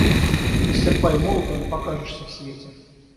Без серпа и молота не покажешься в свете!